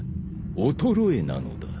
衰えなのだ。